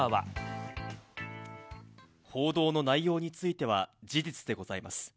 報道の内容については事実でございます。